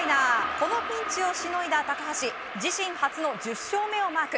このピンチをしのいだ高橋自身初の１０勝目をマーク。